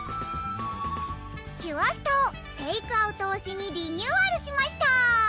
キュアスタをテイクアウトおしにリニューアルしました！